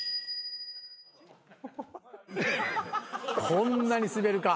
こんなにスベるか？